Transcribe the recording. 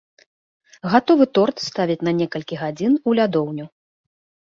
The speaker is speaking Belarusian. Гатовы торт ставяць на некалькі гадзін у лядоўню.